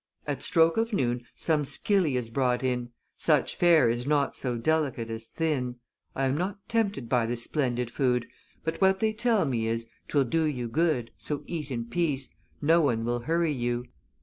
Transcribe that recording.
At stroke of noon some skilly is brought in; Such fare is not so delicate as thin. I am not tempted by this splendid food, But what they tell me is, "'Twill do you good So eat in peace; no one will hurry you."